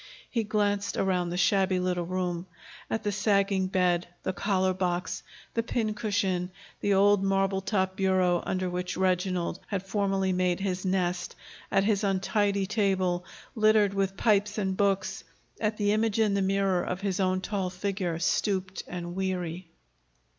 He glanced around the shabby little room, at the sagging bed, the collar box, the pincushion, the old marble topped bureau under which Reginald had formerly made his nest, at his untidy table, littered with pipes and books, at the image in the mirror of his own tall figure, stooped and weary.